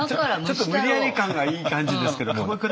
無理やり感がいい感じですけども。